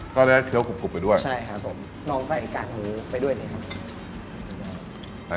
ก็ได้เคี้ยวกรุบไปด้วยใช่ครับผมน้องใส่กากหมูไปด้วยเลยครับ